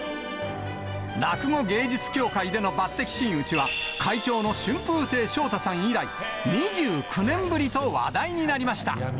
落語芸術協会での抜擢真打は、会長の春風亭昇太さん以来、２９年ぶりと、話題になりました。